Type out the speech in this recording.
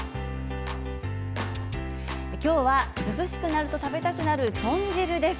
今日は涼しくなると食べたくなる豚汁です。